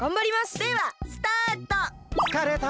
ではスタート！